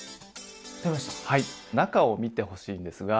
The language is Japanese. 中を見てほしいんですが。